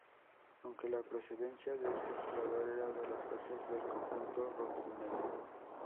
Aunque la procedencia de este jugador era de las bases del conjunto rojinegro.